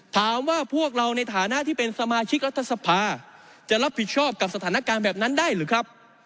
พวกเราในฐานะที่เป็นสมาชิกรัฐสภาจะรับผิดชอบกับสถานการณ์แบบนั้นได้หรือครับ